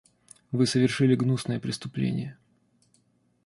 Вы совершили гнусное преступление.